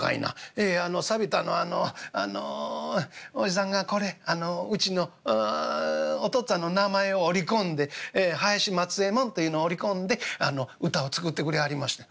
「ええあの寂田のあのあのおじさんがこれあのうちのお父っつぁんの名前をおり込んで林松右衛門というのをおり込んで詠を作ってくれはりましたんや」。